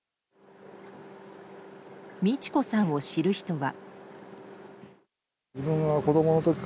路子さんを知る人は。